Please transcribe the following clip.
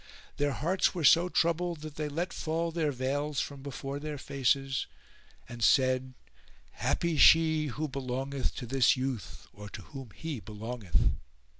Their hearts were so troubled that they let fall their veils from before their faces and said, "Happy she who belongeth to this youth or to whom he belongeth!"